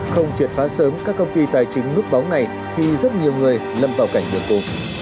không triệt phá sớm các công ty tài chính núp bóng này thì rất nhiều người lâm tàu cảnh được tù